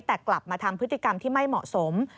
แต่กลับมาทำพฤติกรรมที่ไม่เหมาะสม